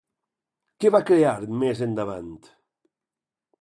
Què va crear més endavant?